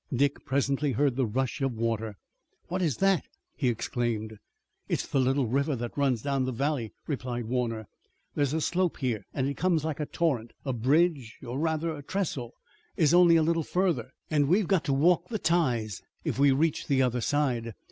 Dick presently heard the rush of water. "What is that?" he exclaimed. "It's the little river that runs down the valley," replied Warner. "There's a slope here and it comes like a torrent. A bridge or rather trestle is only a little further, and we've got to walk the ties, if we reach the other side.